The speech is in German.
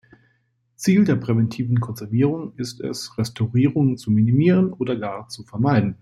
Ziel der präventiven Konservierung ist es, Restaurierungen zu minimieren oder gar zu vermeiden.